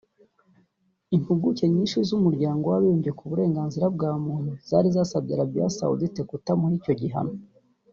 Impuguke nyinshi z’Umuryango w’abibumbye ku burenganzira bwa muntu zari zasabye Arabia Saudite kutamuha icyo gihano